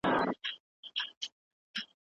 که موضوع نوي وي نو هر څوک ورته پام کوي.